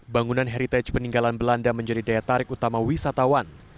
bangunan heritage peninggalan belanda menjadi daya tarik utama wisatawan